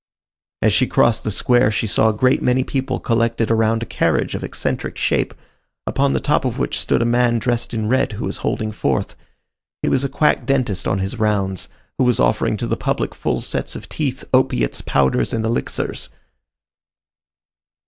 As she crossed the square, she saw a great many people collected around a carriage of eccentric shape, upon the top of which stood a man dressed in red, who was holding forth. He was a quack dentist on his rounds, who was offering to the public full sets of teeth, opiates, powders and elixirs.